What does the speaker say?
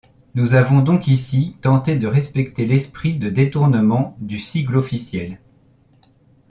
Nous avons donc ici tenté de respecter l’esprit de détournement du sigle officiel.